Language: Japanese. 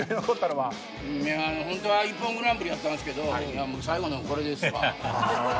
本当はＩＰＰＯＮグランプリやったんですけど最後のこれですわ。